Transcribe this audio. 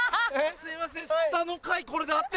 すいません